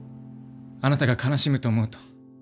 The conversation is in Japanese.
あなたが悲しむと思うと。